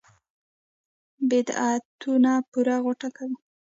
بدعتونو پورې غوټه کوي.